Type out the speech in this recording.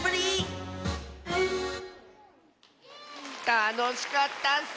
たのしかったッス！